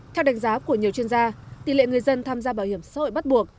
theo đánh giá của nhiều chuyên gia tỷ lệ người dân tham gia bảo hiểm xã hội bắt buộc